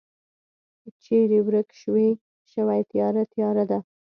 چیری ورک شوی تیاره، تیاره ده